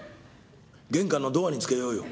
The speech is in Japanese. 「玄関のドアにつけようよ」。